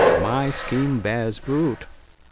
my scheme bears fruit !